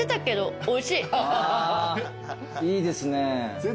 いいですね。